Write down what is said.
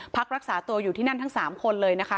พักรักษาตัวอยู่ที่นั่นทั้ง๓คนเลยนะคะ